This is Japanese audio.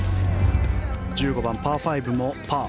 １５番、パー５もパー。